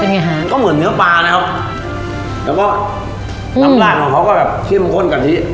เป็นไงฮะก็เหมือนเนื้อปลานะครับแล้วก็น้ำลายของเขาก็แบบเข้มข้นกะทิ